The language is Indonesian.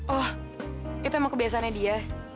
oh itu emang kebiasaannya dia